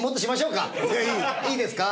いいですか？